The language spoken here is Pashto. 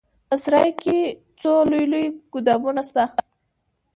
په سراى کښې څو لوى لوى ګودامونه سته.